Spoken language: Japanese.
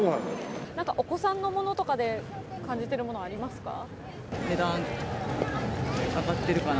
お子さんのものとかで感じてるものはありますか？